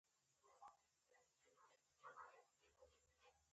د مالیې له پیسو څخه ښوونځي جوړېږي.